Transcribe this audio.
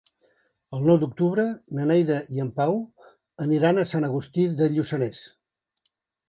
El nou d'octubre na Neida i en Pau aniran a Sant Agustí de Lluçanès.